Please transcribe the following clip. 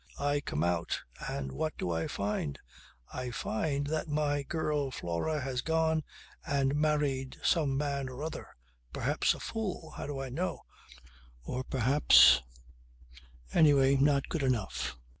I come out and what do I find? I find that my girl Flora has gone and married some man or other, perhaps a fool, how do I know; or perhaps anyway not good enough."